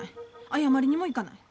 謝りにも行かない。